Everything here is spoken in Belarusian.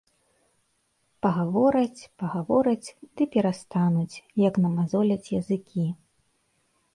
Пагавораць, пагавораць ды перастануць, як намазоляць языкі.